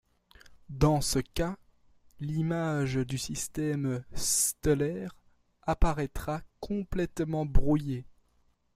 Dans ce cas, l'image du système stellaire apparaîtra complètement brouillé.